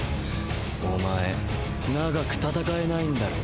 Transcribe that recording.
おまえ長く戦えないんだろ。